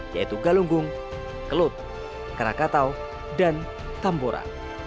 yaitu galunggung kelut karakatau dan tambora